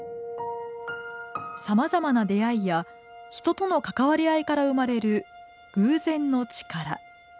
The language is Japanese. さまざまな出会いや人との関わり合いから生まれる偶然の力。